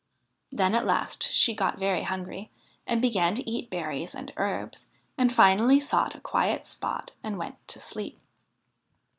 Then at last she got very hungry, and began to eat berries and herbs, and finally sought a quiet spot and went to sleep.